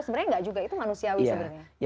sebenarnya enggak juga itu manusiawi sebenarnya